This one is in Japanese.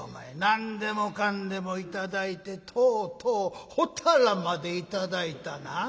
何でもかんでもいただいてとうとうほたらまでいただいたな。